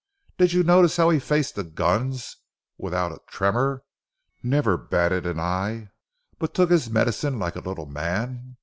Did you notice how he faced the guns without a tremor; never batted an eye but took his medicine like a little man.